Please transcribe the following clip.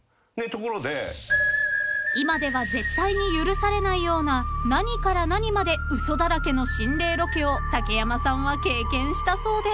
［今では絶対に許されないような何から何まで嘘だらけの心霊ロケを竹山さんは経験したそうで］